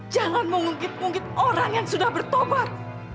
jangan mengungkit ungkit orang yang sudah bertobat